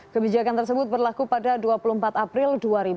kebijakan tersebut berlaku pada dua puluh empat april dua ribu dua puluh